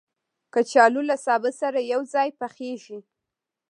کچالو له سابه سره یو ځای پخېږي